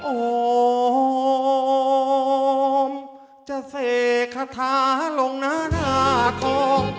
โอ้มจะเสกคาถาลงหน้าของ